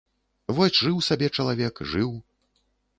Вось жыў сабе чалавек, жыў.